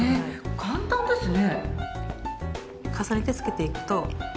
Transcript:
簡単ですね。